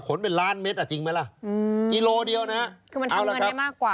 คือมันทำเงินได้มากกว่า